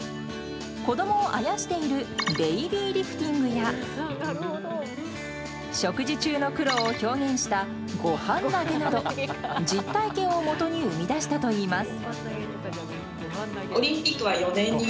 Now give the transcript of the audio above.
子供をあやしているベイビーリフティングや食事中の苦労を表現したごはん投げなど実体験をもとに生み出したといいます。